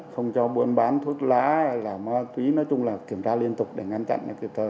không cho buôn bán thuốc lá làm ma túy nói chung là kiểm tra liên tục để ngăn chặn